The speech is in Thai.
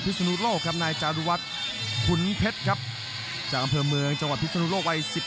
โปรดติดตามต่อไป